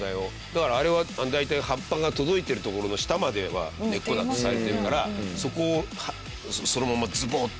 だからあれは大体葉っぱが届いてる所の下までは根っこだとされてるからそこをそのままズボッていっていくんでしょうね。